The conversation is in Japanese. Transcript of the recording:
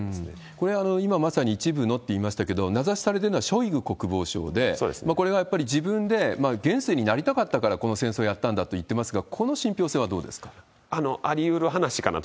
これ、まさに今、一部のと言いましたけれども、名指しされているのはショイグ国防相で、これがやっぱり自分で元帥になりたかったから、この戦争をやったんだと言っていますが、ありうる話かなと。